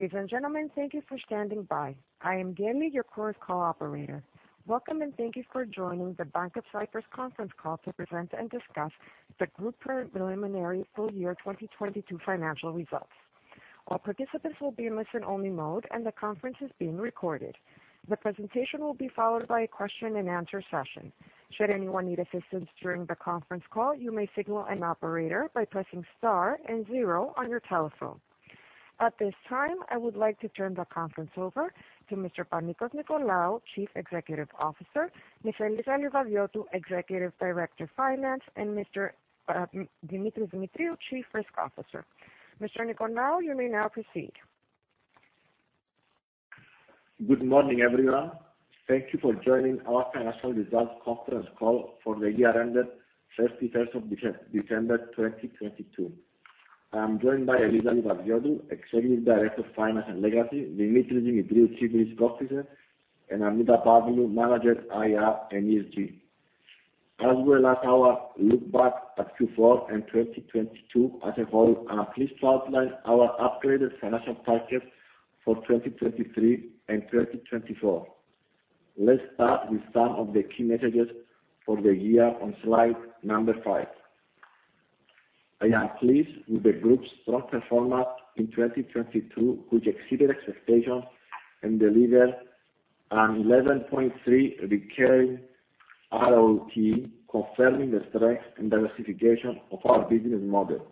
Ladies and gentlemen, thank you for standing by. I am Gabby, your chorus call operator. Welcome, and thank you for joining the Bank of Cyprus conference call to present and discuss the group preliminary full year 2022 financial results. All participants will be in listen-only mode, and the conference is being recorded. The presentation will be followed by a question-and-answer session. Should anyone need assistance during the conference call, you may signal an operator by pressing star and zero on your telephone. At this time, I would like to turn the conference over to Mr. Panicos Nicolaou, Chief Executive Officer, Ms. Eliza Livadiotou, Executive Director of Finance, and Mr. Demetris Demetriou, Chief Risk Officer. Mr. Nicolaou, you may now proceed. Good morning, everyone. Thank you for joining our financial results conference call for the year ended 31st of December 2022. I am joined by Eliza Livadiotou, Executive Director of Finance and Legacy, Demetris Demetriou, Chief Risk Officer, Annita Pavlou, Manager, IR and ESG, as well as our look back at Q4 and 2022 as a whole. I'm pleased to outline our upgraded financial targets for 2023 and 2024. Let's start with some of the key messages for the year on slide number five. I am pleased with the group's strong performance in 2022, which exceeded expectations and delivered an 11.3 recurring ROE, confirming the strength and diversification of our business model.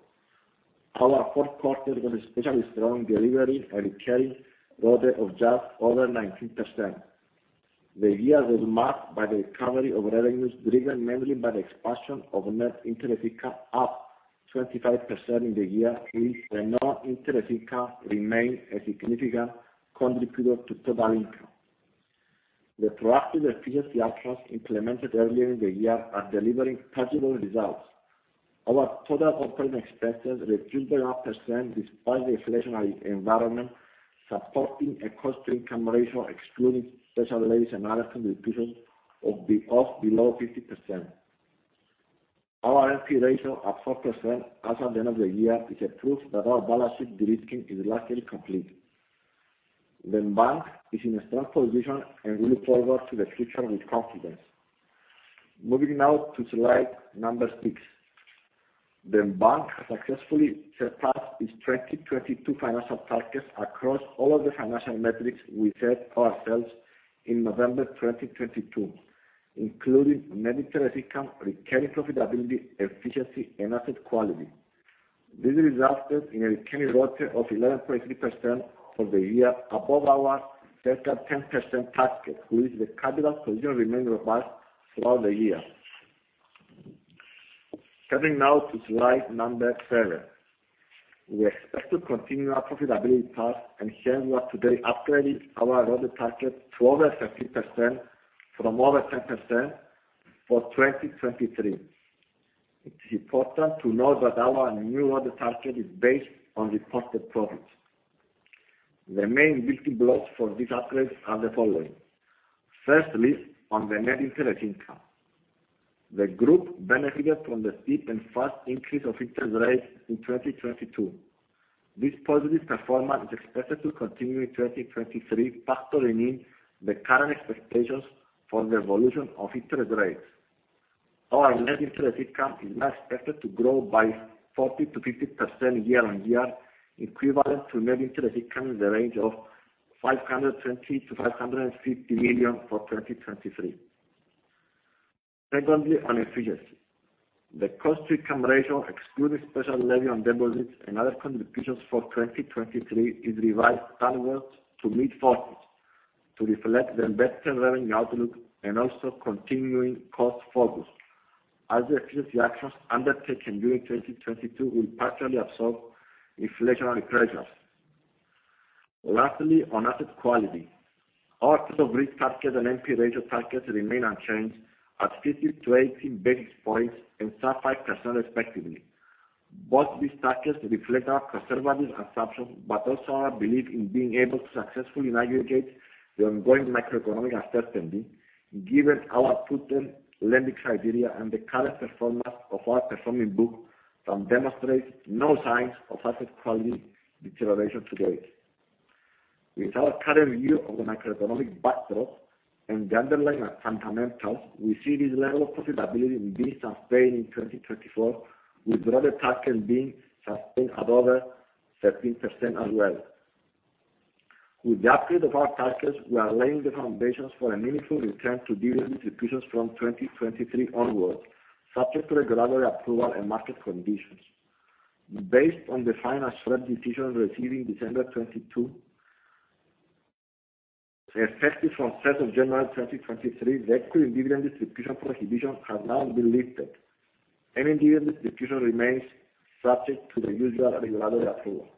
Our fourth quarter was especially strong, delivering a recurring ROE of just over 19%. The year was marked by the recovery of revenues, driven mainly by the expansion of net interest income, up 25% in the year, with the non-interest income remain a significant contributor to total income. The proactive efficiency outcomes implemented earlier in the year are delivering tangible results. Our total operating expenses reduced around percent despite the inflationary environment, supporting a cost-to-income ratio excluding special levies and other contributions of below 50%. Our NPE ratio at 4% as at the end of the year is a proof that our balance sheet de-risking is largely complete. The bank is in a strong position, we look forward to the future with confidence. Moving now to slide number six. The bank has successfully surpassed its 2022 financial targets across all of the financial metrics we set ourselves in November 2022, including net interest income, recurring profitability, efficiency, and asset quality. These resulted in a recurring ROE of 11.3% for the year, above our target 10% target, with the capital position remaining robust throughout the year. Turning now to slide number seven. We expect to continue our profitability path, and here we are today upgrading our ROE target to over 13% from over 10% for 2023. It's important to note that our new ROE target is based on reported profits. The main building blocks for this upgrade are the following. Firstly, on the net interest income. The group benefited from the steep and fast increase of interest rates in 2022. This positive performance is expected to continue in 2023, factoring in the current expectations for the evolution of interest rates. Our net interest income is now expected to grow by 40%-50% year-on-year, equivalent to net interest income in the range of 520 million-550 million for 2023. On efficiency. The cost-to-income ratio, excluding special levy on deposits and other contributions for 2023, is revised downwards to mid-forties to reflect the embedded revenue outlook and also continuing cost focus, as the efficiency actions undertaken during 2022 will partially absorb inflationary pressures. On asset quality. Our total risk target and NPE ratio targets remain unchanged at 50-80 basis points and sub 5% respectively. Both these targets reflect our conservative assumptions, but also our belief in being able to successfully navigate the ongoing macroeconomic uncertainty, given our prudent lending criteria and the current performance of our performing book that demonstrates no signs of asset quality deterioration to date. With our current view of the macroeconomic backdrop and the underlying fundamentals, we see this level of profitability being sustained in 2024, with ROE targets being sustained at over 13% as well. With the upgrade of our targets, we are laying the foundations for a meaningful return to dividend distributions from 2023 onwards, subject to regulatory approval and market conditions. Based on the final SREP decision received in December 2022, effective from first of January, 2023, the equity dividend distribution prohibition has now been lifted. Any dividend distribution remains subject to the usual regulatory approval.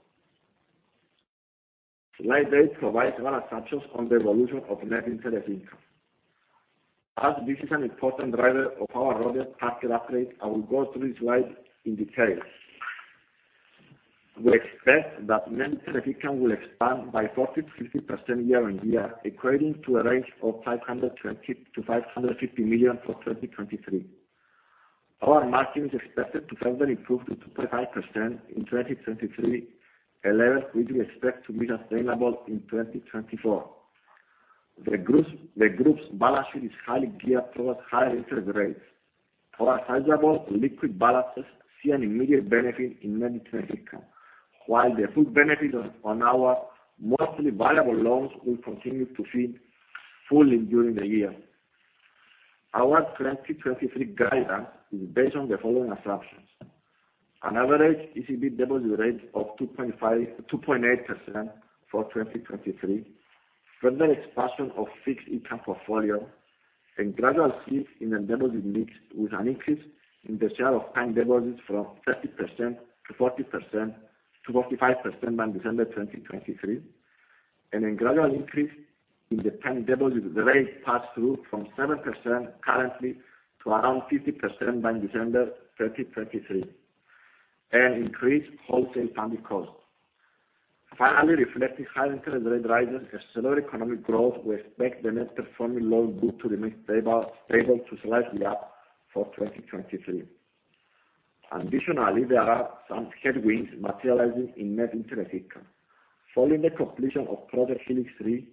Slide eight provides our assumptions on the evolution of net interest income. As this is an important driver of our ROE target upgrade, I will go through this slide in detail. We expect that net interest income will expand by 40%-50% year-on-year, equating to a range of 520 million-550 million for 2023. Our margin is expected to further improve to 2.5% in 2023, a level we do expect to be sustainable in 2024. The group's balance sheet is highly geared towards higher interest rates. Our sizable liquid balances see an immediate benefit in net interest income, while the full benefit on our mostly variable loans will continue to feed fully during the year. Our 2023 guidance is based on the following assumptions: An average ECB deposit rate of 2.8% for 2023, further expansion of fixed income portfolio, a gradual shift in the deposit mix with an increase in the share of time deposits from 30% to 40%-45% by December 2023, and a gradual increase in the time deposit rate pass through from 7% currently to around 50% by December 2023, and increased wholesale funding costs. Finally, reflecting high interest rate rises and slower economic growth, we expect the net performing loan book to remain stable to slightly up for 2023. Additionally, there are some headwinds materializing in net interest income. Following the completion of Project Helix 3 3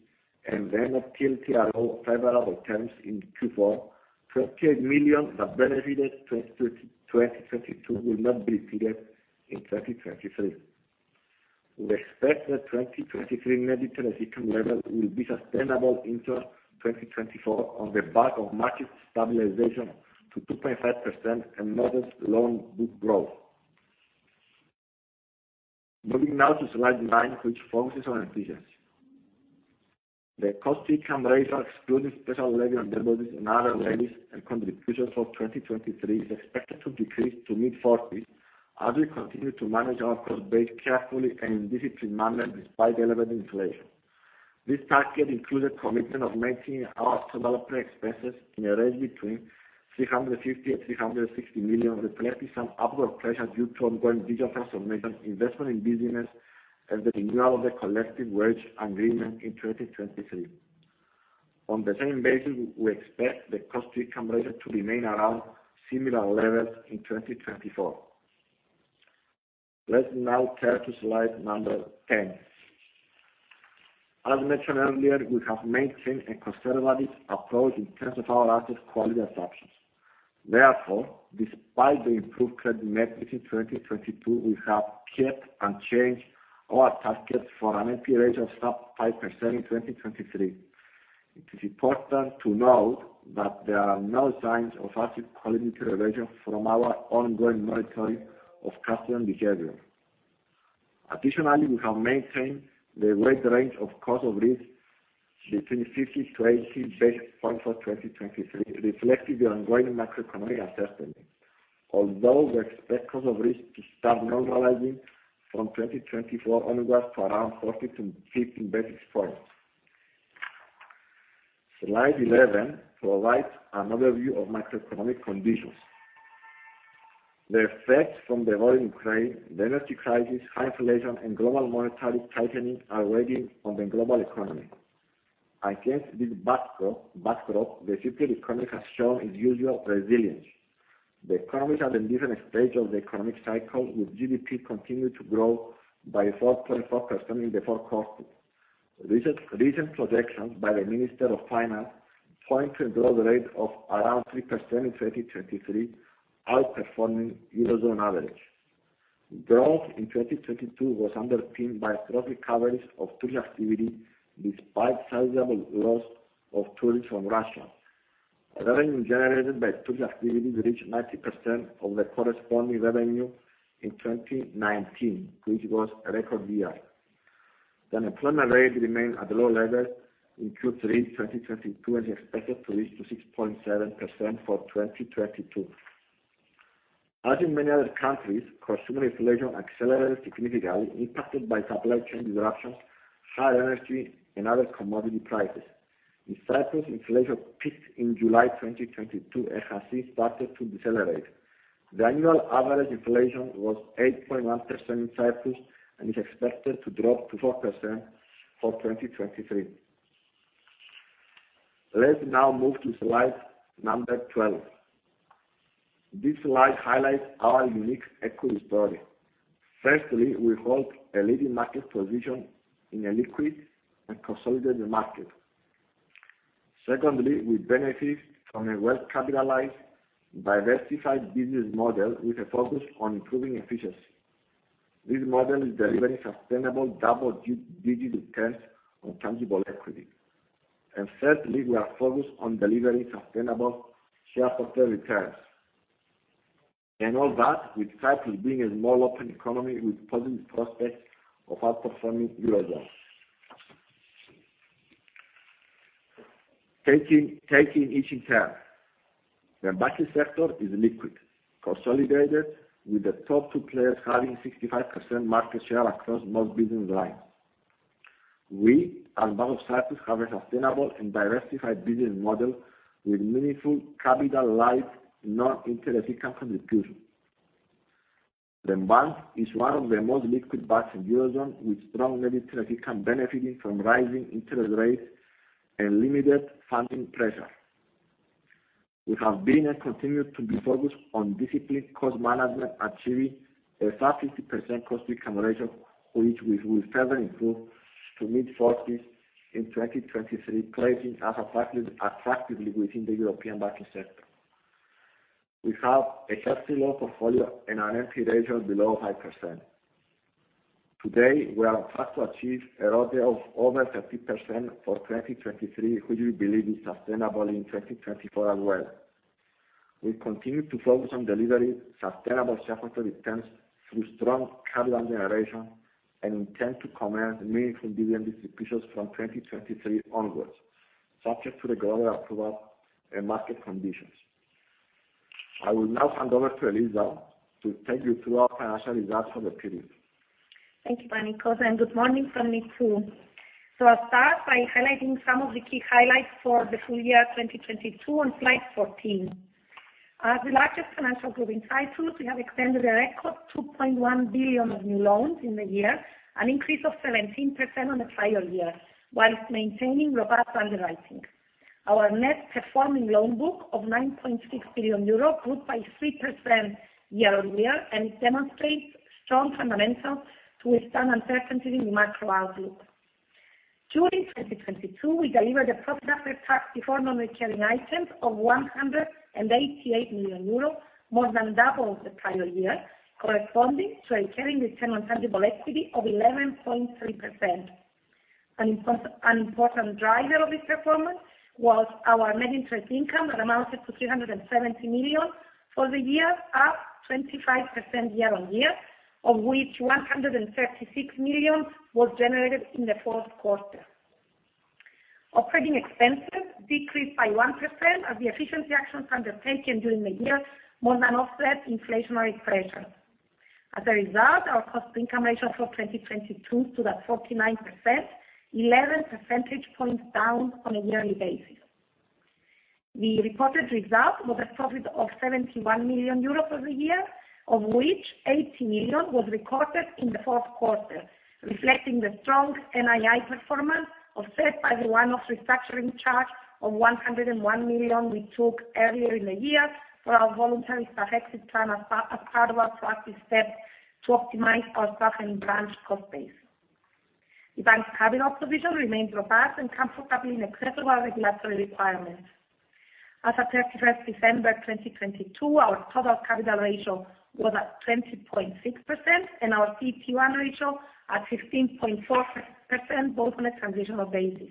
and the end of TLTRO favorable terms in Q4, 28 million that benefited 2022 will not be repeated in 2023. We expect that 2023 net interest income level will be sustainable into 2024 on the back of market stabilization to 2.5% and modest loan book growth. Moving now to slide nine, which focuses on efficiency. The cost-to-income ratio, excluding special levy on deposits and other levies and contributions for 2023, is expected to decrease to mid-forties as we continue to manage our cost base carefully and in disciplined manner despite elevated inflation. This target includes a commitment of maintaining our total operating expenses in a range between 350 million and 360 million, reflecting some upward pressure due to ongoing digital transformation, investment in business, and the renewal of the collective wage agreement in 2023. On the same basis, we expect the cost-to-income ratio to remain around similar levels in 2024. Let's now turn to slide number 10. As mentioned earlier, we have maintained a conservative approach in terms of our asset quality assumptions. Therefore, despite the improved credit metrics in 2022, we have kept unchanged our target for an NPE ratio of sub 5% in 2023. It is important to note that there are no signs of asset quality deterioration from our ongoing monitoring of customer behavior. Additionally, we have maintained the wide range of cost of risk between 50-80 basis points for 2023, reflecting the ongoing macroeconomic uncertainty. We expect cost of risk to start normalizing from 2024 onwards to around 40-50 basis points. Slide 11 provides another view of macroeconomic conditions. The effects from the war in Ukraine, the energy crisis, high inflation, and global monetary tightening are weighing on the global economy. Against this backdrop, the Cypriot economy has shown its usual resilience. The economy is at a different stage of the economic cycle, with GDP continuing to grow by 4.4% in the fourth quarter. Recent projections by the Minister of Finance point to a growth rate of around 3% in 2023, outperforming Eurozone average. Growth in 2022 was underpinned by strong recoveries of tourist activity despite sizable loss of tourists from Russia. Revenue generated by tourist activities reached 90% of the corresponding revenue in 2019, which was a record year. The unemployment rate remained at low levels in Q3 2022, and is expected to reach to 6.7% for 2022. As in many other countries, consumer inflation accelerated significantly, impacted by supply chain disruptions, high energy and other commodity prices. In Cyprus, inflation peaked in July 2022, and has since started to decelerate. The annual average inflation was 8.1% in Cyprus and is expected to drop to 4% for 2023. Let's now move to slide number 12. This slide highlights our unique equity story. Firstly, we hold a leading market position in a liquid and consolidated market. Secondly, we benefit from a well-capitalized, diversified business model with a focus on improving efficiency. This model is delivering sustainable double-digit returns on tangible equity. Thirdly, we are focused on delivering sustainable shareholder returns. All that with Cyprus being a small open economy with positive prospects of outperforming Eurozone. Taking each in turn. The banking sector is liquid, consolidated, with the top two players having 65% market share across most business lines. We, as Bank of Cyprus, have a sustainable and diversified business model with meaningful capitalized non-interest income contribution. The bank is one of the most liquid banks in Eurozone with strong net interest income benefiting from rising interest rates and limited funding pressure. We have been and continue to be focused on disciplined cost management, achieving a sub-50% cost-to-income ratio, which we will further improve to mid-40s in 2023, placing us attractively within the European banking sector. We have a healthy loan portfolio and an NPE ratio below 5%. Today, we are on track to achieve a ROTE of over 30% for 2023, which we believe is sustainable in 2024 as well. We continue to focus on delivering sustainable shareholder returns through strong capital generation, and intend to commence meaningful dividend distributions from 2023 onwards, subject to the governor approval and market conditions. I will now hand over to Eliza to take you through our financial results for the period. Thank you, Panikos, and good morning from me, too. I'll start by highlighting some of the key highlights for the full year 2022 on slide 14. As the largest financial group in Cyprus, we have extended a record 2.1 billion of new loans in the year, an increase of 17% on the prior year, whilst maintaining robust underwriting. Our net performing loan book of 9.6 billion euro grew by 3% year-on-year, and it demonstrates strong fundamentals to withstand uncertainty in the macro outlook. During 2022, we delivered a profit after tax before non-recurring items of 188 million euros, more than double of the prior year, corresponding to a carrying this intangible equity of 11.3%. An important driver of this performance was our net interest income that amounted to 370 million for the year, up 25% year on year, of which 136 million was generated in the fourth quarter. Operating expenses decreased by 1% as the efficiency actions undertaken during the year more than offset inflationary pressures. As a result, our cost-to-income ratio for 2022 stood at 49%, 11 percentage points down on a yearly basis. The reported result was a profit of 71 million euros for the year, of which 80 million was recorded in the fourth quarter, reflecting the strong NII performance, offset by the one-off restructuring charge of 101 million we took earlier in the year for our voluntary departure plan as part of our proactive step to optimize our staff and branch cost base. The bank's capital position remains robust and comfortably in excess of our regulatory requirements. As at 31st December 2022, our total capital ratio was at 20.6%, and our CET1 ratio at 16.4%, both on a transitional basis.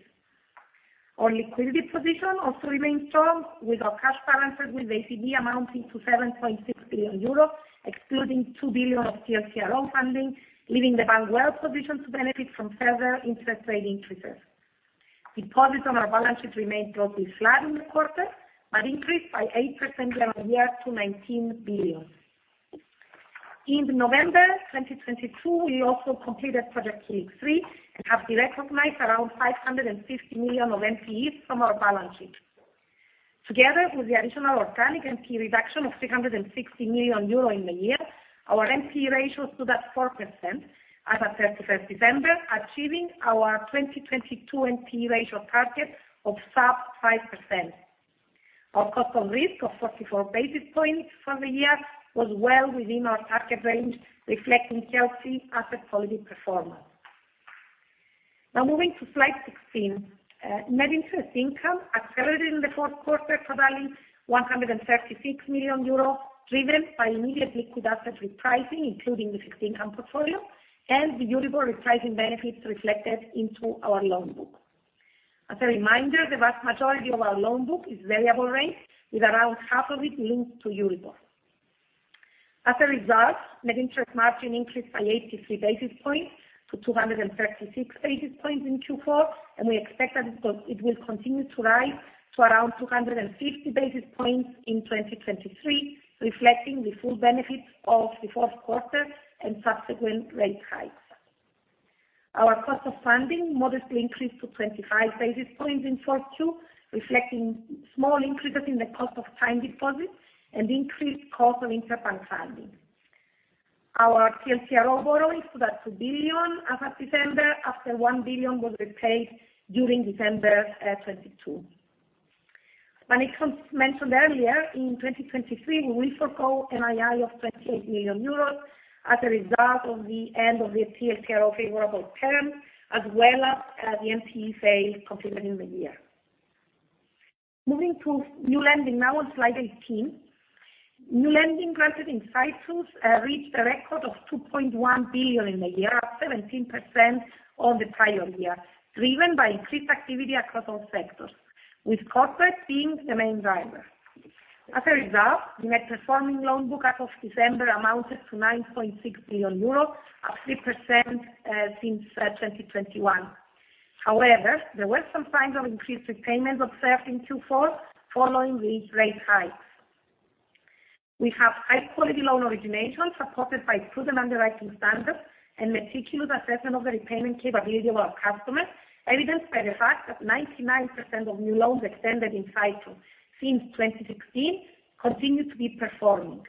Our liquidity position also remains strong, with our cash balances with ECB amounting to 7.6 billion euros, excluding 2 billion of TLTRO funding, leaving the bank well positioned to benefit from further interest rate increases. Deposits on our balance sheet remained roughly flat in the quarter, but increased by 8% year-on-year to 19 billion. In November 2022, we also completed Project Helix 3 and have derecognized around 550 million of NPEs from our balance sheet. Together with the additional organic NPE reduction of 360 million euro in the year, our NPE ratio stood at 4% as at 31st December, achieving our 2022 NPE ratio target of sub 5%. Our cost of risk of 44 basis points for the year was well within our target range, reflecting healthy asset quality performance. Moving to slide 16. Net interest income accelerated in the fourth quarter, totaling 136 million euro, driven by immediately good asset repricing, including the fixed income portfolio and the Euribor repricing benefits reflected into our loan book. As a reminder, the vast majority of our loan book is variable rate, with around half of it linked to Euribor. As a result, net interest margin increased by 83 basis points to 236 basis points in Q4, we expect that it will continue to rise to around 250 basis points in 2023, reflecting the full benefits of the fourth quarter and subsequent rate hikes. Our cost of funding modestly increased to 25 basis points in Q4, reflecting small increases in the cost of time deposits and increased cost of interbank funding. Our TLTRO borrowings stood at 2 billion as at December, after 1 billion was repaid during December 2022. Panikos mentioned earlier, in 2023, we foresee NII of 28 million euros as a result of the end of the TLTRO favorable term, as well as the NPE sale completed in the year. Moving to new lending now on slide 18. New lending granted in Cyprus reached a record of 2.1 billion in the year, up 17% on the prior year, driven by increased activity across all sectors, with corporate being the main driver. As a result, the net performing loan book as of December amounted to 9.6 billion euro, up 3% since 2021. However, there were some signs of increased repayments observed in Q4 following the rate hikes. We have high-quality loan originations supported by prudent underwriting standards. Meticulous assessment of the repayment capability of our customers, evidenced by the fact that 99% of new loans extended in Cyprus since 2016 continue to be performing.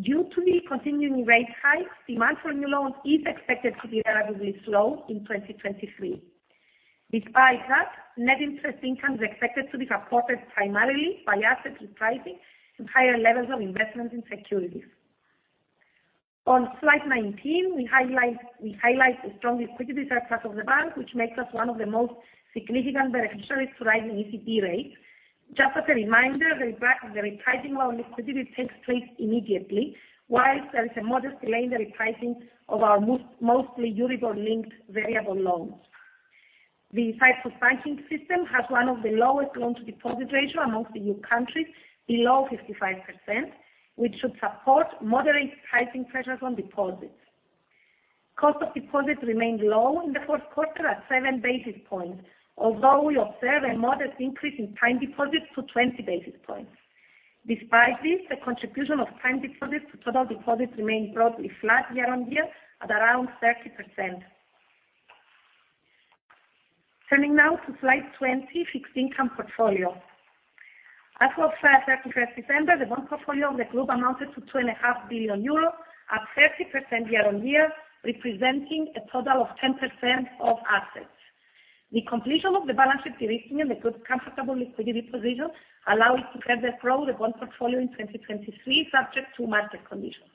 Due to the continuing rate hikes, demand for new loans is expected to be relatively slow in 2023. Despite that, net interest income is expected to be supported primarily by asset repricing and higher levels of investment in securities. On slide 19, we highlight the strong liquidity surplus of the bank, which makes us one of the most significant beneficiaries to rising ECB rates. Just as a reminder, the repricing of our liquidity takes place immediately, whilst there is a modest delay in the repricing of our mostly Euribor-linked variable loans. The Cyprus banking system has one of the lowest loan-to-deposit ratio amongst the EU countries, below 55%, which should support moderate pricing pressures on deposits. Cost of deposits remained low in the Q4 at 7 basis points, although we observe a modest increase in time deposits to 20 basis points. Despite this, the contribution of time deposits to total deposits remained broadly flat year-over-year at around 30%. Turning now to slide 20, fixed income portfolio. As of 31st December, the bond portfolio of the group amounted to two and a half billion euro, up 30% year-on-year, representing a total of 10% of assets. The completion of the balance sheet de-risking and the good comfortable liquidity position allow it to further grow the bond portfolio in 2023 subject to market conditions.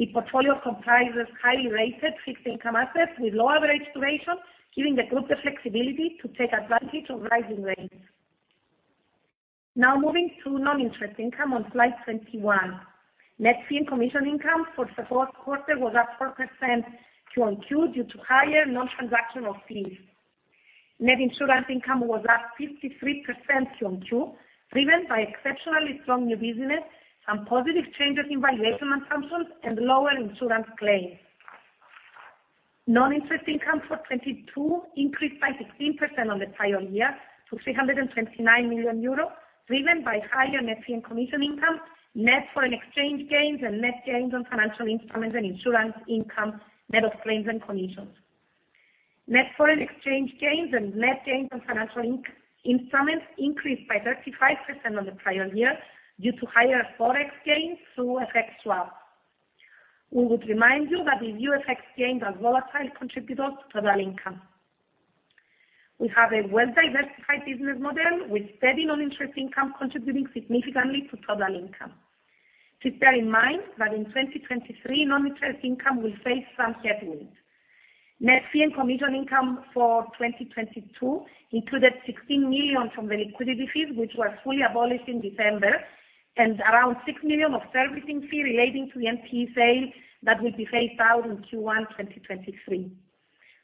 The portfolio comprises highly rated fixed income assets with low average duration, giving the group the flexibility to take advantage of rising rates. Moving to non-interest income on slide 21. Net fee and commission income for the 4th quarter was up 4% Q-on-Q due to higher non-transactional fees. Net insurance income was up 53% Q-on-Q, driven by exceptionally strong new business and positive changes in valuation assumptions and lower insurance claims. Non-interest income for 2022 increased by 16% on the prior year to 329 million euros, driven by higher net fee and commission income, net foreign exchange gains, and net gains on financial instruments and insurance income net of claims and commissions. Net foreign exchange gains and net gains on financial instruments increased by 35% on the prior year due to higher Forex gains through FX swap. We would remind you that the FX gains are volatile contributors to total income. We have a well-diversified business model, with steady non-interest income contributing significantly to total income. Please bear in mind that in 2023, non-interest income will face some headwinds. Net fee and commission income for 2022 included 16 million from the liquidity fees, which were fully abolished in December, and around 6 million of servicing fee relating to the NPE sale that will be phased out in Q1 2023.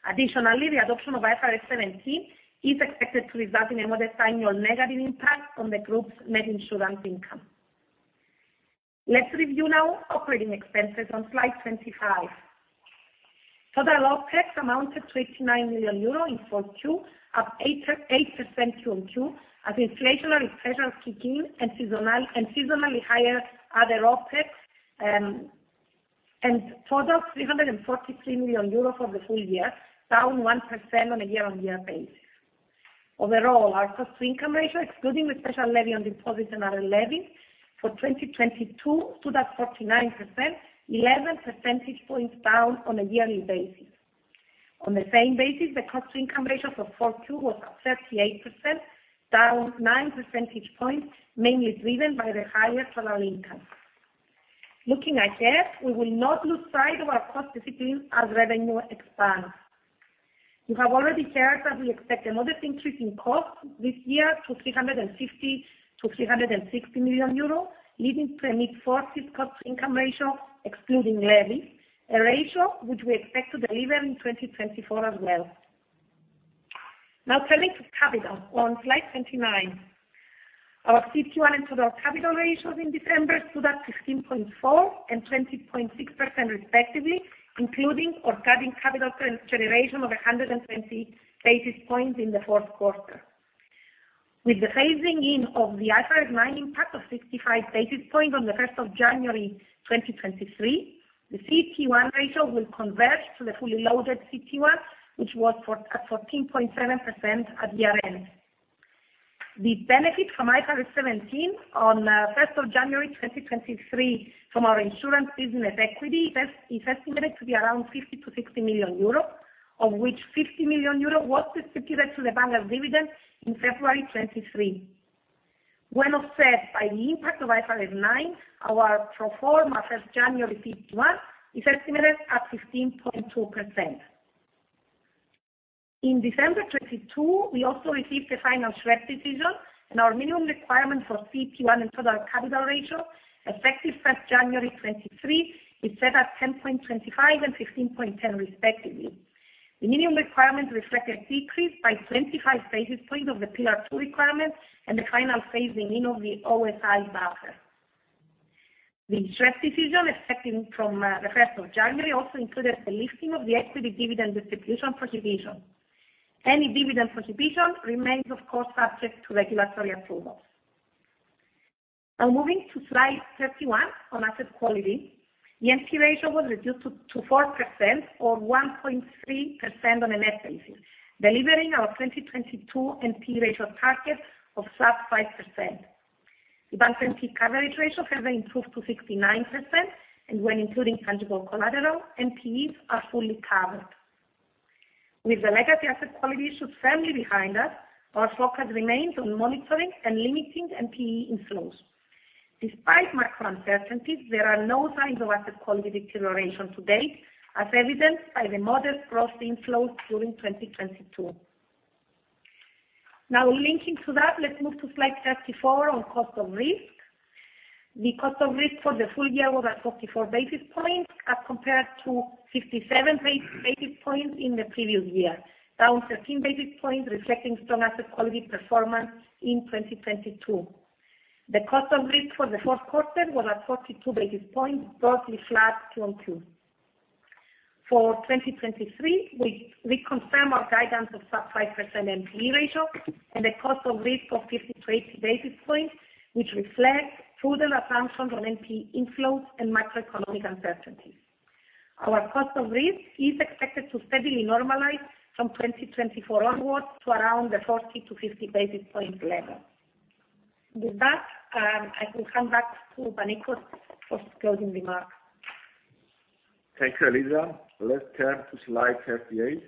Additionally, the adoption of IFRS 17 is expected to result in a modest annual negative impact on the group's net insurance income. Let's review now operating expenses on slide 25. Total OpEx amounted to EUR 89 million in Q-on-Q, up 8.8% Q-on-Q, as inflationary pressures kick in and seasonally higher other OpEx, and total 343 million euros for the full year, down 1% on a year-on-year basis. Overall, our cost-to-income ratio, excluding the special levy on deposits and other levies, for 2022 stood at 49%, 11 percentage points down on a yearly basis. On the same basis, the cost-to-income ratio for Q was at 38%, down 9 percentage points, mainly driven by the higher total income. Looking ahead, we will not lose sight of our cost discipline as revenue expands. You have already heard that we expect a modest increase in costs this year to 350 million-360 million euros, leading to a mid-40s cost-income ratio, excluding levies, a ratio which we expect to deliver in 2024 as well. Turning to capital on slide 29. Our CET1 and total capital ratios in December stood at 15.4 and 20.6% respectively, including our current capital generation of 120 basis points in the fourth quarter. With the phasing in of the IFRS 9 impact of 65 basis points on the 1st of January 2023, the CET1 ratio will converge to the fully loaded CET1, which was at 14.7% at year-end. The benefit from IFRS 17 on 1st of January 2023 from our insurance business equity is estimated to be around 50 million-60 million euros, of which 50 million euros was distributed to the bank as dividends in February 2023. When offset by the impact of IFRS 9, our pro forma 1st January CET1 is estimated at 15.2%. In December 2022, we also received the final SREP decision, and our minimum requirement for CET1 and total capital ratio, effective 1st January 2023, is set at 10.25% and 15.10% respectively. The minimum requirements reflect a decrease by 25 basis points of the P2R requirements and the final phasing in of the O-SII buffer. The SREP decision effective from the 1st of January also included the lifting of the equity dividend distribution prohibition. Any dividend prohibition remains, of course, subject to regulatory approval. Moving to slide 31 on asset quality. The NPE ratio was reduced to 4% or 1.3% on a net basis, delivering our 2022 NPE ratio target of sub 5%. The bank NPE coverage ratio has been improved to 69%, and when including tangible collateral, NPEs are fully covered. With the legacy asset quality issues firmly behind us, our focus remains on monitoring and limiting NPE inflows. Despite macro uncertainties, there are no signs of asset quality deterioration to date, as evidenced by the modest growth inflows during 2022. Now linking to that, let's move to slide 34 on cost of risk. The cost of risk for the full year was at 44 basis points as compared to 67 basis points in the previous year, down 13 basis points reflecting strong asset quality performance in 2022. The cost of risk for the fourth quarter was at 42 basis points, broadly flat Q-on-Q. For 2023, we confirm our guidance of sub 5% NPE ratio and a cost of risk of 53 basis points, which reflects further assumptions on NPE inflows and macroeconomic uncertainties. Our cost of risk is expected to steadily normalize from 2024 onwards to around the 40 to 50 basis point level. With that, I will hand back to Panicos for closing remarks. Thank you, Eliza. Let's turn to slide 38.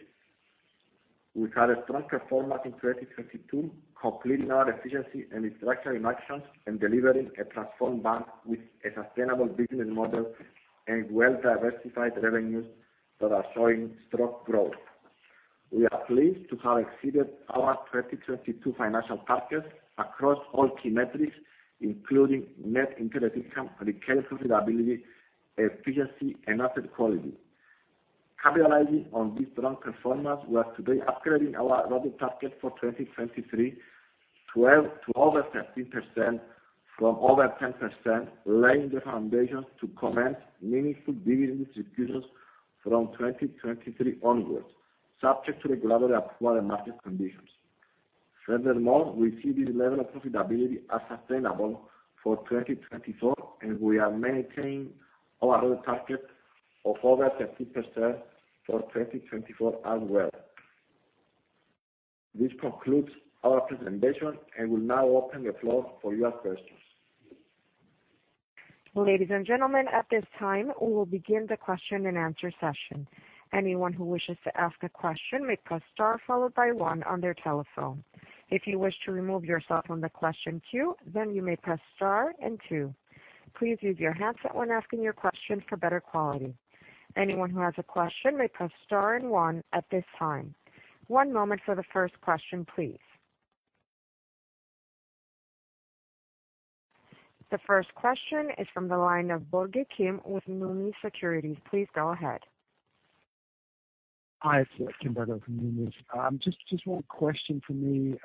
We've had a strong performance in 2022, completing our efficiency and restructuring actions and delivering a transformed bank with a sustainable business model and well-diversified revenues that are showing strong growth. We are pleased to have exceeded our 2022 financial targets across all key metrics, including net interest income, recurring profitability, efficiency, and asset quality. Capitalizing on this strong performance, we are today upgrading our ROE target for 2023 to over 13% from over 10%, laying the foundations to commence meaningful dividend distributions from 2023 onwards, subject to regulatory approval and market conditions. We see this level of profitability as sustainable for 2024, and we are maintaining our ROE target of over 13% for 2024 as well. This concludes our presentation, we'll now open the floor for your questions. Ladies and gentlemen, at this time, we will begin the question-and-answer session. Anyone who wishes to ask a question may press star followed by one on their telephone. If you wish to remove yourself from the question queue, then you may press star and two. Please mute your handset when asking your question for better quality. Anyone who has a question may press star and one at this time. One moment for the first question, please. The first question is from the line of Borje Kim with Numis Securities. Please go ahead. Hi, it's Kim Borje from Numis. just one question from me.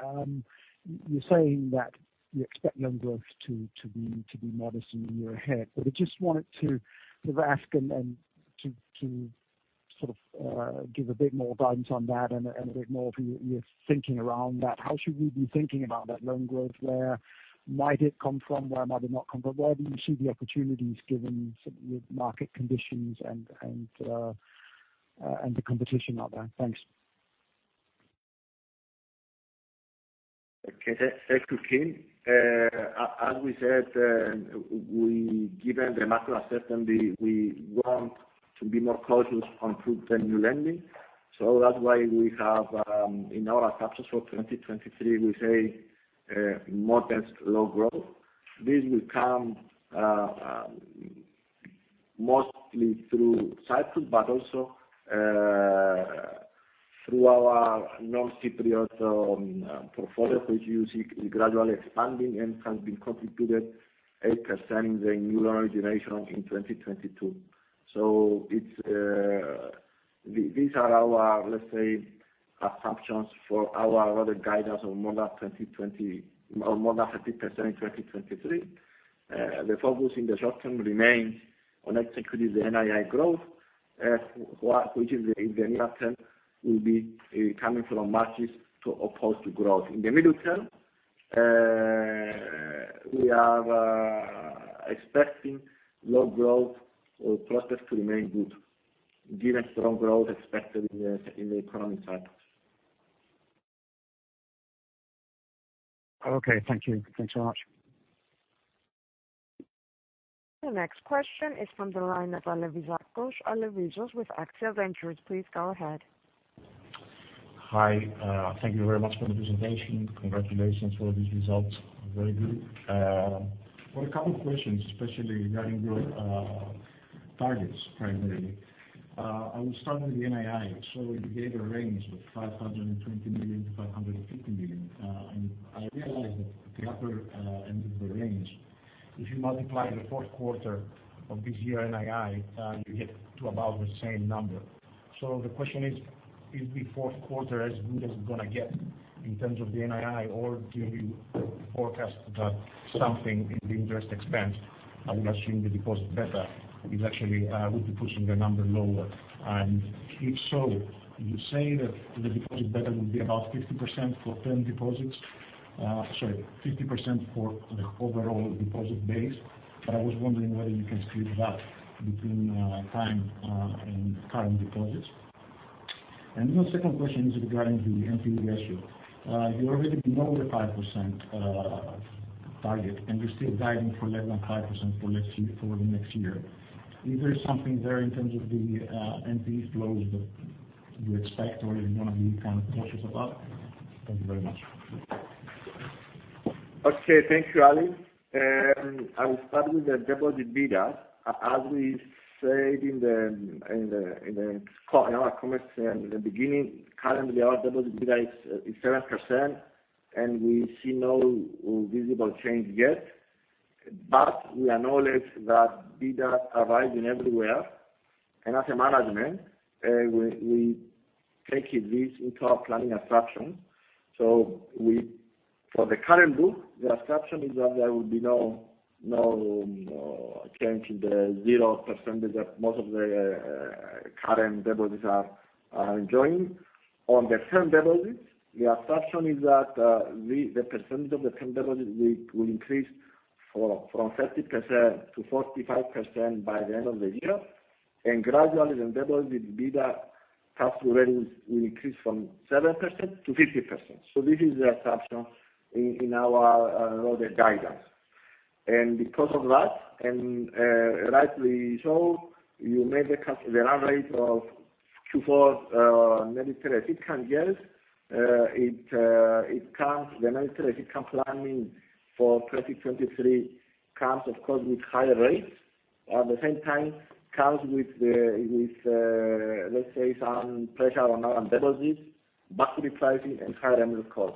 you're saying that you expect loan growth to be modest in the year ahead. I just wanted to sort of ask and to sort of give a bit more guidance on that and a bit more of your thinking around that. How should we be thinking about that loan growth there? Where might it come from? Where might it not come from? Where do you see the opportunities given the market conditions and the competition out there? Thanks. Okay. Thank you, Kim. As we said, given the macro uncertainty, we want to be more cautious on approved and new lending. That's why we have in our assumptions for 2023, we say modest loan growth. This will come mostly through Cyprus, but also through our non-Cypriot portfolio, which you see gradually expanding and has been contributed 8% in the new loan generation in 2022. It's. These are our, let's say, assumptions for our ROE guidance of more than 13% in 2023. The focus in the short term remains on net securities and NII growth, which is in the near term will be coming from margins to oppose to growth. In the middle term, we are expecting loan growth or process to remain good given strong growth expected in the economy cycles. Okay. Thank you. Thanks so much. The next question is from the line of Alevizos Alevizakos with Axia Ventures. Please go ahead. Hi. Thank you very much for the presentation. Congratulations for these results. Very good. For a couple questions, especially regarding your targets primarily. I will start with the NII. You gave a range of 520 million-550 million. I realize that the upper end of the range, if you multiply the fourth quarter of this year NII, you get to about the same number. The question is the fourth quarter as good as it gonna get in terms of the NII, or do you forecast something in the interest expense? I'm assuming the deposit beta is actually would be pushing the number lower. If so, you say that the deposit beta will be about 50% for term deposits. Sorry, 50% for the overall deposit base. I was wondering whether you can split that between time and current deposits. My second question is regarding the NPE ratio. You're already below the 5% target, and you're still guiding for less than 5% for next year. Is there something there in terms of the NPE flows that you expect or you wanna be kind of cautious about? Thank you very much. Okay, thank you, Ale. I will start with the deposit beta. As we said in our comments in the beginning, currently, our deposit beta is 7%, and we see no visible change yet. We acknowledge that beta arising everywhere. As a management, we take this into our planning assumption. For the current book, the assumption is that there will be no change in the 0% that most of the current deposits are enjoying. On the term deposits, the assumption is that the percentage of the term deposits will increase from 30% to 45% by the end of the year. Gradually, the deposit with beta past ratings will increase from 7% to 50%. This is the assumption in our ROE guidance. Because of that, and rightly so, you made the run rate of Q4 net interest income yields. It comes the net interest income planning for 2023 comes, of course, with higher rates. At the same time, comes with the, let's say some pressure on our deposits, but repricing and higher annual cost.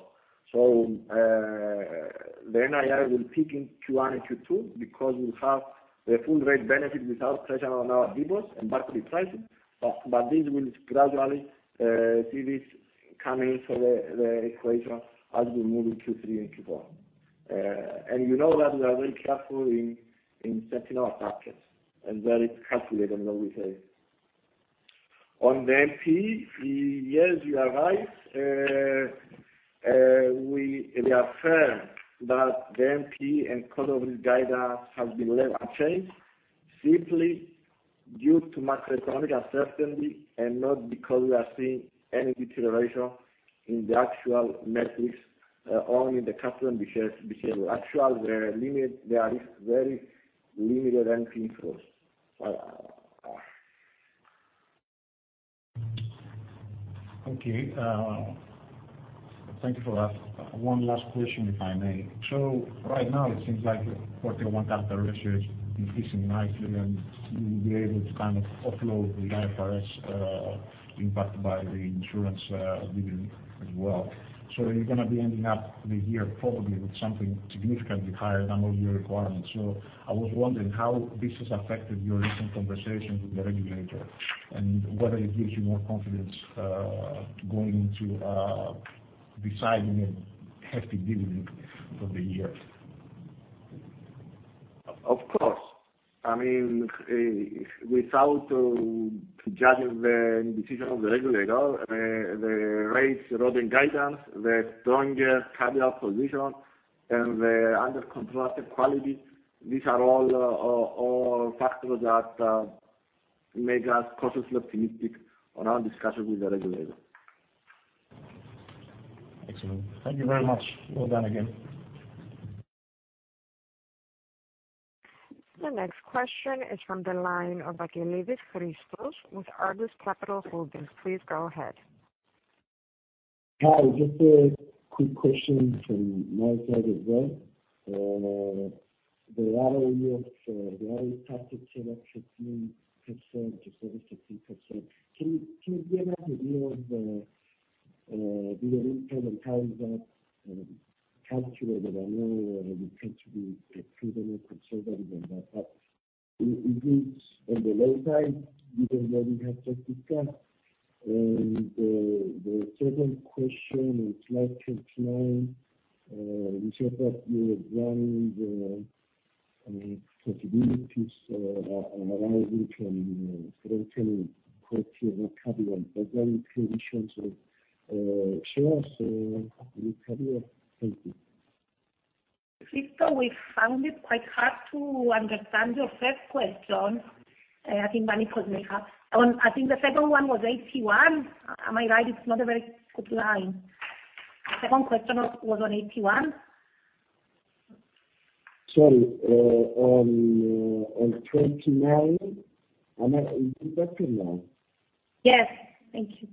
The NII will peak in Q1 and Q2 because we have the full rate benefit without pressure on our deposits and back to repricing. This will gradually see this coming into the equation as we move in Q3 and Q4. You know that we are very careful in setting our targets and very calculated on what we say. On the NPE, yes, you are right. We are firm that the NPE and cost of risk guidance has been left unchanged simply due to macroeconomic uncertainty and not because we are seeing any deterioration in the actual metrics or in the customer behavior. Actually, there is very limited NPE flows. Okay. Thank you for that. One last question, if I may. Right now it seems like quarter one capital ratio is increasing nicely, and you will be able to kind of offload the IFRS impact by the insurance dividend as well. Are you gonna be ending up the year probably with something significantly higher than all your requirements? I was wondering how this has affected your recent conversations with the regulator and whether it gives you more confidence going into deciding a hefty dividend for the year? Of course. I mean, without judging the decision of the regulator, the rates, ROE guidance, the stronger capital position and the under control asset quality, these are all factors that make us cautiously optimistic on our discussion with the regulator. Excellent. Thank you very much. Well done again. The next question is from the line of Akkelides, Christos with Argus Capital Holdings. Please go ahead. Hi, just a quick question from my side as well. The ROE of the ROE target 7%-13% to 7%-13%. Can you give us an idea of the dividend income and how is that calculated? I know you tend to be extremely conservative on that, but is it on the low side given that we have just discussed? The second question on slide 29, you said that you are evaluating the, I mean, possibilities arising from strengthening CRD IV capital, but then you mentioned share us on the capital. Thank you. Christos, we found it quite hard to understand your first question. I think [Manny could make up] I think the second one was 81. Am I right? It's not a very good line. Second question was on 81? Sorry, on 29. Are you talking now? Yes. Thank you.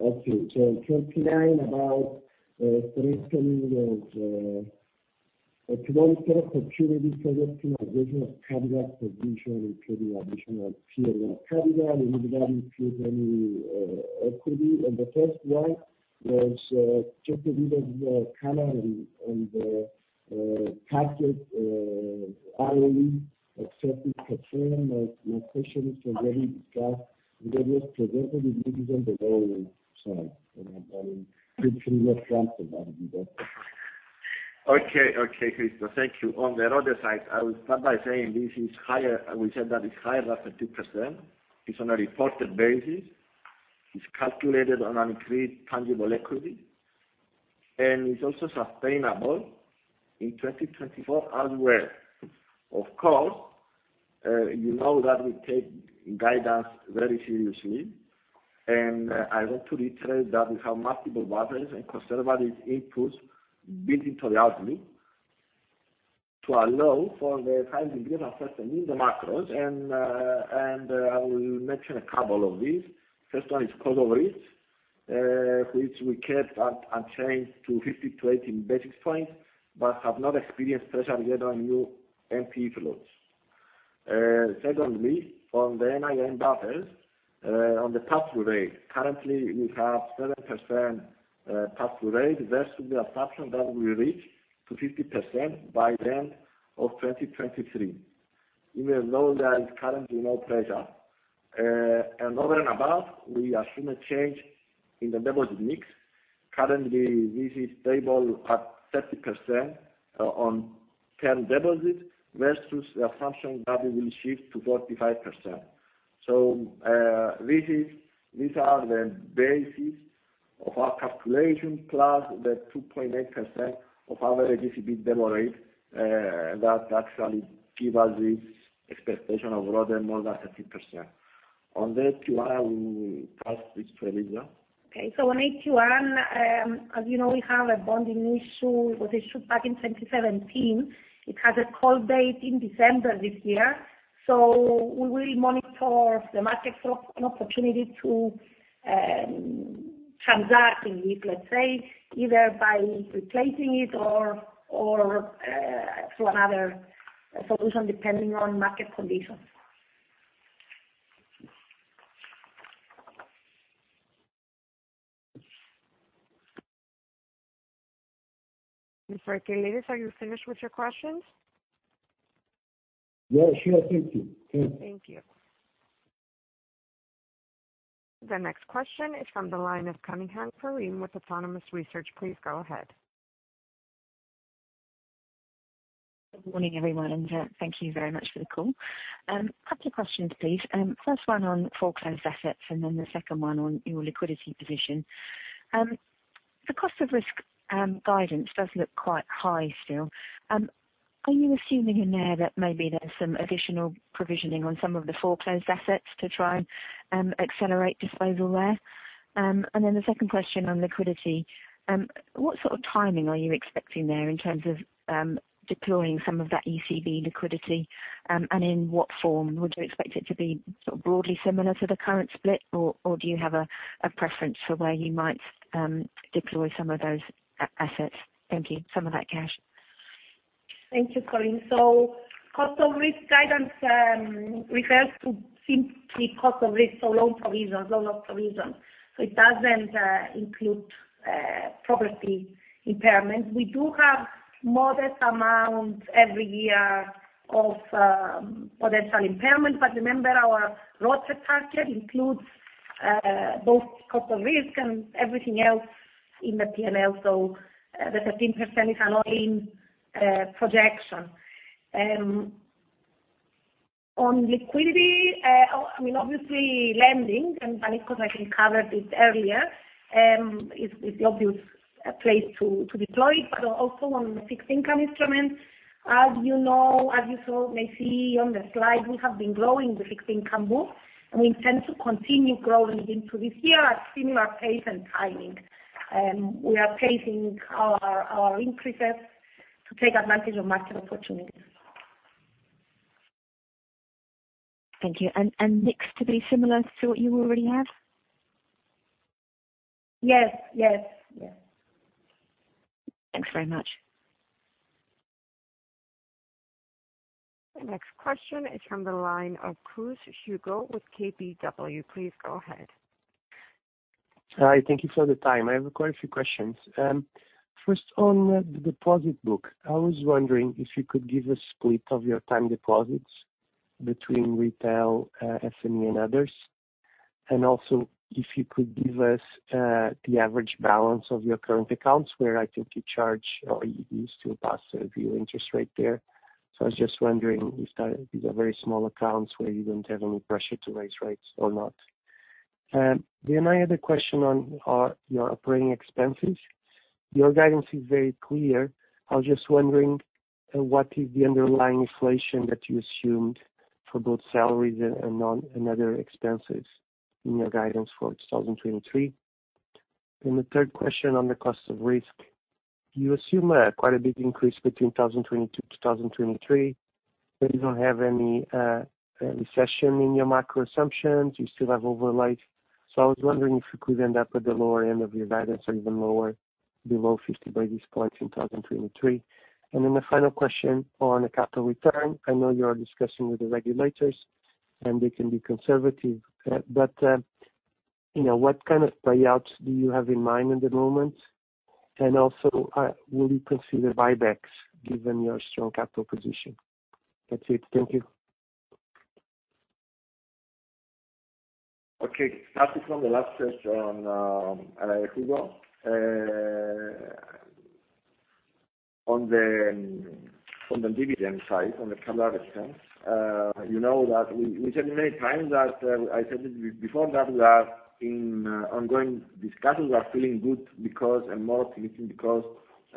Okay. On 29 about, strengthening of, economic and opportunity projects in addition of capital position, including additional CRD IV capital, including tier one equity. The first one was, just a bit of, color on the target, ROE, et cetera, et cetera. My question is already discussed, and that was presented in meetings on the ROE side. I mean, could you please answer that? Okay. Okay, Christos. Thank you. On the ROTE side, I will start by saying this is higher. We said that it's higher than 30%. It's on a reported basis. It's calculated on increased tangible equity, and it's also sustainable in 2024 as well. Of course, you know that we take guidance very seriously, and I want to reiterate that we have multiple buffers and conservative inputs built into the outlook to allow for the high degree of uncertainty in the macros. I will mention a couple of these. First one is cost of risk, which we kept at unchanged to 52, 80 basis points, but have not experienced pressure yet on new NPE flows. Secondly, on the NIM buffers, on the pass-through rate, currently we have 7%, pass-through rate. There should be assumption that we reach to 50% by the end of 2023, even though there is currently no pressure. Over and above, we assume a change in the deposit mix. Currently, this is stable at 30%, on term deposits versus the assumption that we will shift to 45%. These are the basis of our calculation, plus the 2.8% of average ECB demo rate, that actually give us this expectation of ROTE more than 30%. On the AT1, I will pass this to Eliza. On AT1, as you know, we have a bonding issue that was issued back in 2017. It has a call date in December this year. We will monitor the market for an opportunity to transact in it, let's say, either by replacing it or through another solution, depending on market conditions. Mr. Akkelides, are you finished with your questions? Yeah, sure. Thank you. Thank you. The next question is from the line of Corinne Cunningham with Autonomous Research. Please go ahead. Good morning, everyone, and thank you very much for the call. A couple of questions, please. First one on foreclosed assets and then the second one on your liquidity position. The cost of risk guidance does look quite high still. Are you assuming in there that maybe there's some additional provisioning on some of the foreclosed assets to try and accelerate disposal there? The second question on liquidity, what sort of timing are you expecting there in terms of deploying some of that ECB liquidity? In what form? Would you expect it to be sort of broadly similar to the current split, or do you have a preference for where you might deploy some of those assets? Thank you. Some of that cash. Thank you, Corinne. Cost of risk guidance refers to simply cost of risk, so loan provisions, loan loss provisions. It doesn't include property impairments. We do have modest amounts every year of potential impairment. Remember, our ROTE target includes both cost of risk and everything else in the P&L. The 13% is an all-in projection. On liquidity, I mean, obviously lending and Panicos, I think, covered it earlier. Is the obvious place to deploy, but also on the fixed income instruments. As you know, as you saw, may see on the slide, we have been growing the fixed income book, and we intend to continue growing into this year at similar pace and timing. We are pacing our increases to take advantage of market opportunities. Thank you. Mix to be similar to what you already have? Yes. Yes. Yes. Thanks very much. The next question is from the line of Hugo Cruz with KBW. Please go ahead. Hi. Thank you for the time. I have quite a few questions. first on the deposit book, I was wondering if you could give a split of your time deposits between retail, SME and others. Also if you could give us, the average balance of your current accounts where I think you charge or you used to pass a few interest rate there. I was just wondering if that these are very small accounts where you don't have any pressure to raise rates or not. I had a question on, your operating expenses. Your guidance is very clear. I was just wondering what is the underlying inflation that you assumed for both salaries and non- and other expenses in your guidance for 2023? The third question on the cost of risk, you assume, quite a big increase between 2022 to 2023, but you don't have any recession in your macro assumptions. You still have overlay. I was wondering if you could end up at the lower end of your guidance or even lower below 50 basis points in 2023. the final question on the capital return. I know you are discussing with the regulators, and they can be conservative, but, you know, what kind of payouts do you have in mind at the moment? will you consider buybacks given your strong capital position? That's it. Thank you. Okay. Starting from the last question, Hugo, on the dividend side, on the capital return, you know that we said many times that I said it before that we are in ongoing discussions. We are feeling good because, and more optimistic because,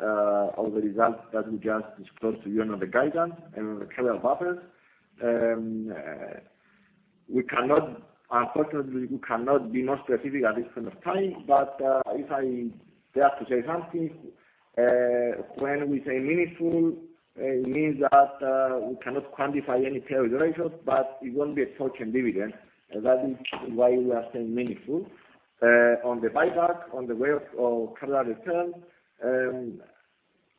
of the results that we just disclosed to you and on the guidance and on the capital buffers. Unfortunately, we cannot be more specific at this point of time. If I dare to say something, when we say meaningful, it means that we cannot quantify any payout ratios, but it won't be a token dividend. That is why we are saying meaningful. On the buyback, on the way of capital return,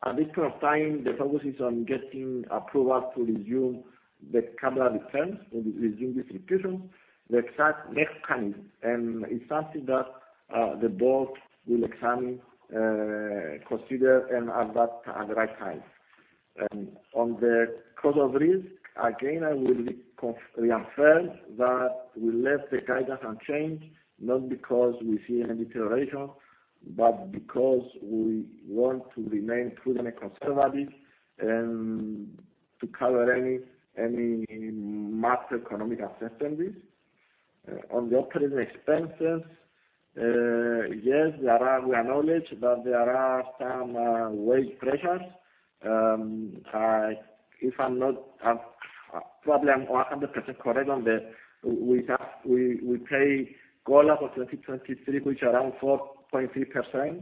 at this point of time, the focus is on getting approval to resume the capital returns, to resume distribution. The exact next timing is something that the board will examine, consider at the right time. On the cost of risk, again, I will reaffirm that we left the guidance unchanged, not because we see any deterioration, but because we want to remain prudent and conservative and to cover any macroeconomic uncertainties. On the operating expenses, yes, we acknowledge that there are some wage pressures. I'm probably 100% correct on the, we pay COLA for 2022, 2023, which are around 4.3%.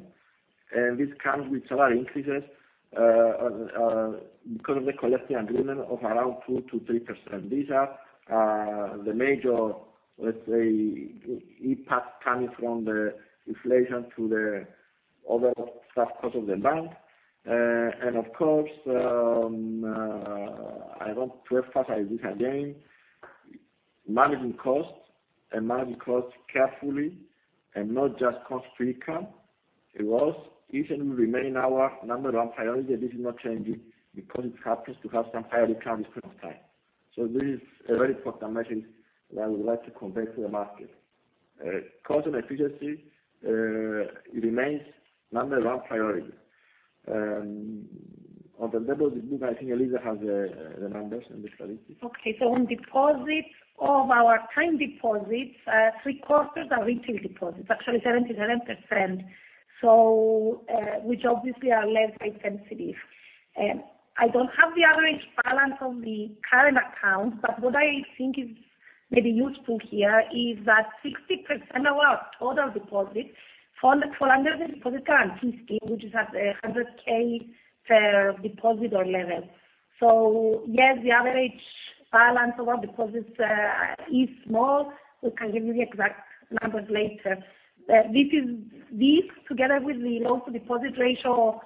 This comes with salary increases because of the collective agreement of around 2%-3%. These are the major, let's say, impact coming from the inflation to the overall staff cost of the bank. I don't want to emphasize this again, managing costs and managing costs carefully and not just cost-to-income ratios, this will remain our number one priority, and this is not changing because it happens to have some higher income this point of time. This is a very important message that we would like to convey to the market. Cost and efficiency remains number one priority. On the level of detail, I think Eliza has the numbers and the statistics. Okay. On deposits, of our time deposits, three-quarters are retail deposits, actually 77%, which obviously are less rate sensitive. I don't have the average balance on the current account, what I think is maybe useful here is that 60% of our total deposits fall under the Deposit Guarantee Scheme, which is at 100K per depositor level. Yes, the average balance of our deposits is small. We can give you the exact numbers later. This together with the low deposit ratio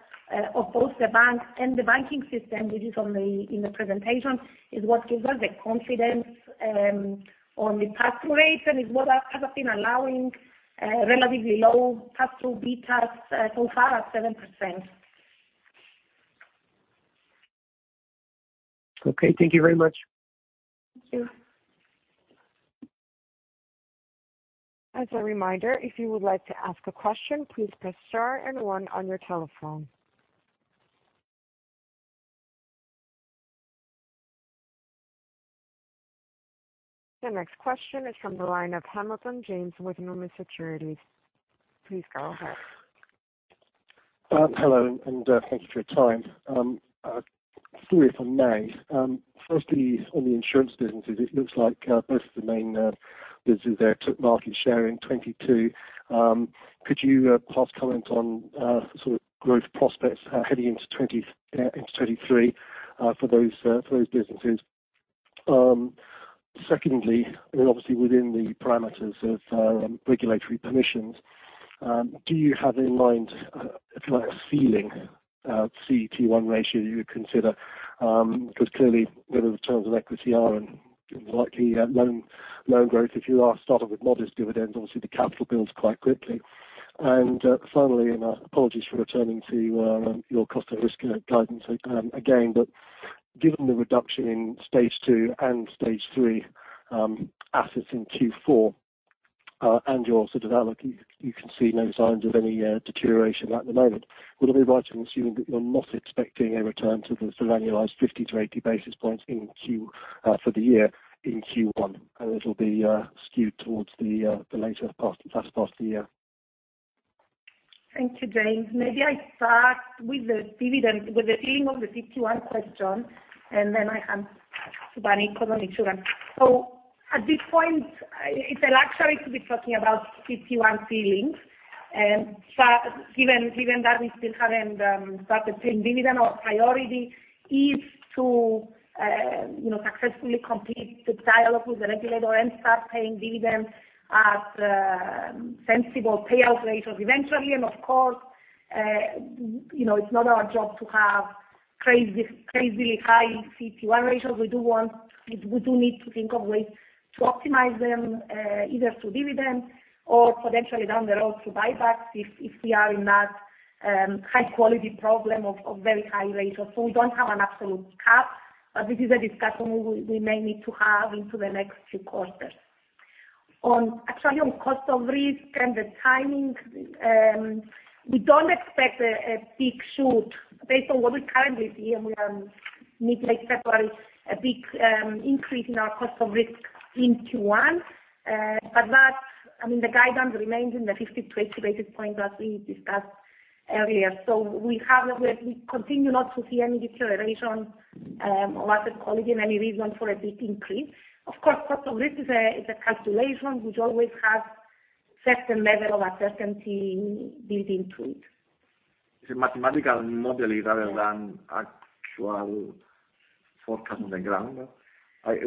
of both the bank and the banking system, which is in the presentation, is what gives us the confidence on the pass rate and is what has been allowing relatively low pass through betas so far at 7%. Okay, thank you very much. Thank you. As a reminder, if you would like to ask a question, please press star and one on your telephone. The next question is from the line of Hamilton, James with Numis Securities. Please go ahead. Hello, and thank you for your time. Two if I may. Firstly on the insurance businesses, it looks like both of the main businesses there took market share in 2022. Could you pass comment on sort of growth prospects heading into 2023 for those businesses? Secondly, and obviously within the parameters of regulatory permissions, do you have in mind, if you like, a ceiling CET1 ratio you would consider? Because clearly, whatever the terms of equity are and likely loan growth, if you are starting with modest dividends, obviously the capital builds quite quickly. Finally, apologies for returning to your cost of risk guidance again, but given the reduction in stage two and stage three assets in Q4, and you can see no signs of any deterioration at the moment. Would it be right to assume that you're not expecting a return to the sort of annualized 50 to 80 basis points in Q, for the year in Q1, and it'll be skewed towards the later part, last part of the year? Thank you, James. Maybe I start with the dividend, with the ceiling on the CET1 question, and then I answer about economy insurance. At this point, it's a luxury to be talking about CET1 ceilings. But given that we still haven't started paying dividend, our priority is to, you know, successfully complete the dialogue with the regulator and start paying dividends at sensible payout ratios eventually. Of course, you know, it's not our job to have crazy high CET1 ratios. We do want, we do need to think of ways to optimize them, either through dividends or potentially down the road through buybacks if we are in that high quality problem of very high ratios. We don't have an absolute cap. This is a discussion we may need to have into the next few quarters. On, actually, on cost of risk and the timing, we don't expect a big increase in our cost of risk in Q1. That... I mean, the guidance remains in the 50 to 80 basis points as we discussed earlier. We continue not to see any deterioration, or asset quality and any reason for a big increase. Of course, cost of risk is a calculation which always has certain level of uncertainty built into it. It's a mathematical model rather than actual forecast on the ground.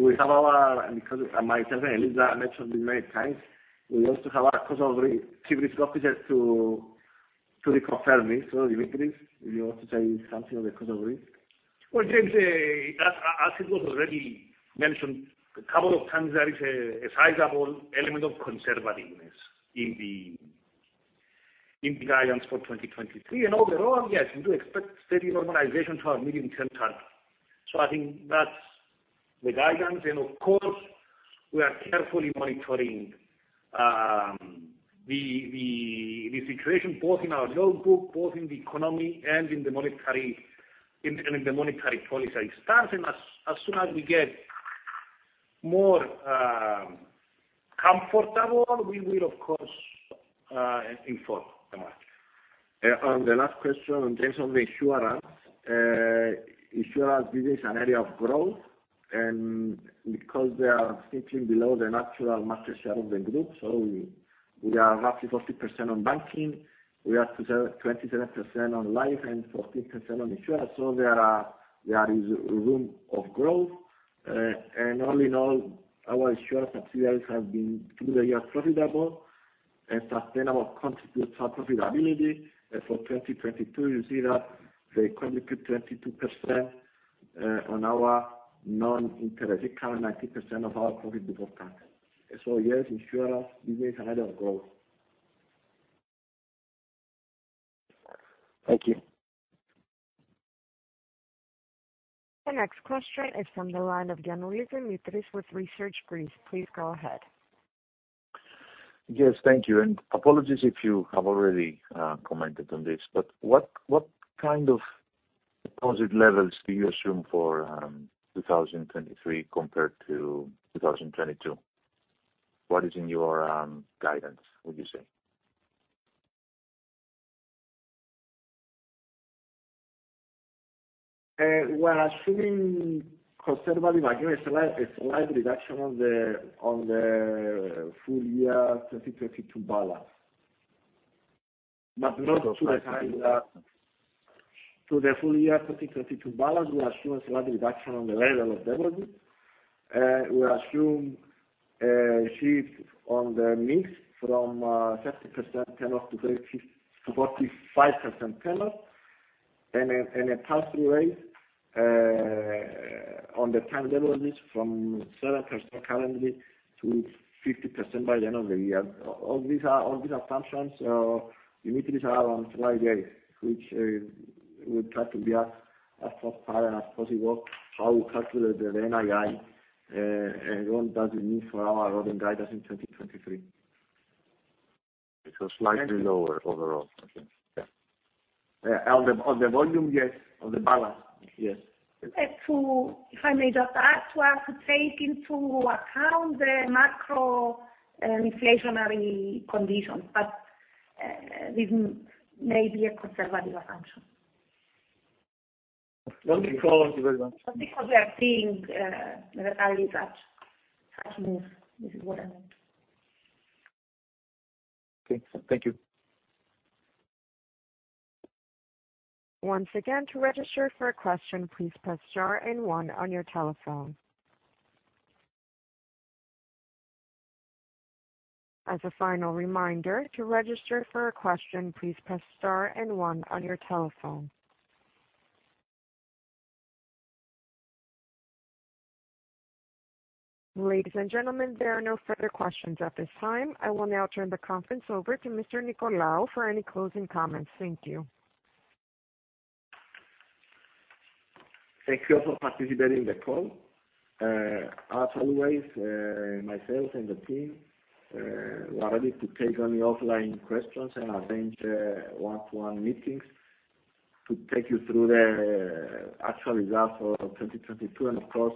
We have our, and because myself and Eliza mentioned this many times, we also have our Chief Risk Officers to reconfirm this. Demetris, would you want to say something on the cost of risk? Well, James, as it was already mentioned a couple of times, there is a sizable element of conservativeness in the guidance for 2023. Overall, yes, we do expect steady normalization to our medium-term target. I think that's the guidance. Of course, we are carefully monitoring the situation both in our loan book, both in the economy and in the monetary policy stance. As soon as we get more comfortable, we will of course, inform the market. On the last question in terms of insurance. Insurance business is an area of growth because they are simply below the natural market share of the group. We are roughly 40% on banking. We are 27% on life and 14% on insurance. There is room of growth. All in all, our insurance subsidiaries have been through the year profitable and sustainable, contributes to our profitability. For 2022, you see that they contribute 22% on our non-interest, accounting 19% of our profit before tax. Yes, insurance, this is an area of growth. Thank you. The next question is from the line of Dimitris Giannoulis with Research Greece. Please go ahead. Yes, thank you. Apologies if you have already commented on this. What kind of deposit levels do you assume for 2023 compared to 2022? What is in your guidance, would you say? We're assuming conservatively, again, a slight reduction on the full year 2022 balance. To the full year 2022 balance, we assume a slight reduction on the level of deposits. We assume a shift on the mix from 30% tenor to 35%-45% tenor and a pass-through rate on the time deposits from 7% currently to 50% by the end of the year. All these assumptions, Dimitris, are on slide eight, which we try to be as transparent as possible how we calculate the NII and what does it mean for our earnings guidance in 2023. Slightly lower overall. Okay. Yeah. Yeah. On the volume, yes. On the balance, yes. If I may just add to take into account the macro inflationary conditions, but this may be a conservative assumption. Thank you very much. Not because we are seeing realities start to move. This is what I meant. Okay. Thank you. Once again, to register for a question, please press star and one on your telephone. As a final reminder, to register for a question, please press star and one on your telephone. Ladies and gentlemen, there are no further questions at this time. I will now turn the conference over to Mr. Nicolaou for any closing comments. Thank you. Thank you all for participating in the call. As always, myself and the team, we are ready to take any offline questions and arrange one-to-one meetings to take you through the actual results for 2022, and of course,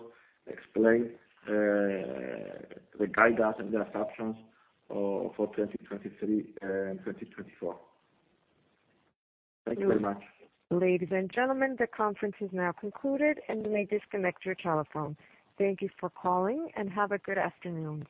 explain the guidance and the assumptions for 2023 and 2024. Thank you very much. Ladies and gentlemen, the conference is now concluded, and you may disconnect your telephone. Thank you for calling, and have a good afternoon.